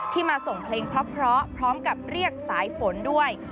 มาส่งเพลงเพราะพร้อมกับเรียกสายฝนด้วย